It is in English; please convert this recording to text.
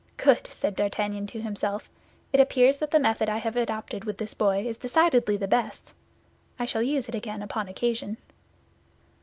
"Good!" said D'Artagnan to himself. "It appears that the method I have adopted with this boy is decidedly the best. I shall use it again upon occasion."